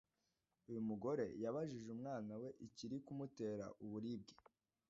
Uyu mugore yabajije umwana we ikiri kumutera uburibwe